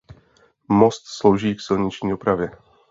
Most slouží k silniční dopravě.